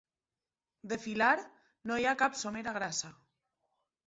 De filar, no hi ha cap somera grassa.